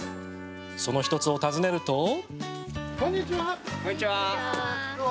その１つを訪ねてみると。